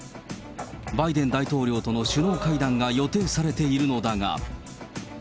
バイデン大統領との首脳会談が予定されているのだが。